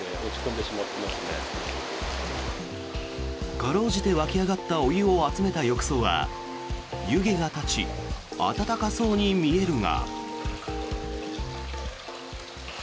辛うじて湧き上がったお湯を集めた浴槽は湯気が立ち温かそうに見えるが。